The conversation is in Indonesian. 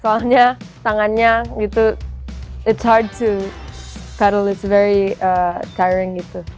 soalnya tangannya gitu it's hard to pedal it's very tiring gitu